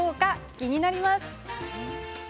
気になります。